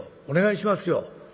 お願いしますよ。